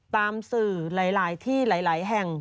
ตามสื่อหลายที่หลายแห่ง